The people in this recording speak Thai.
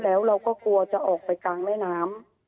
แล้วเราก็กลัวจะออกไปกลางแม่น้ำ